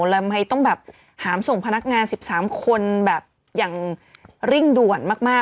แล้วทำไมต้องแบบหามส่งพนักงาน๑๓คนแบบอย่างเร่งด่วนมาก